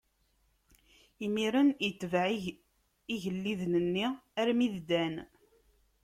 Imiren itbeɛ igelliden-nni armi d Dan.